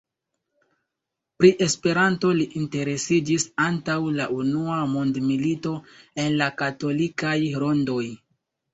Pri Esperanto li interesiĝis antaŭ la unua mondmilito, en la katolikaj rondoj.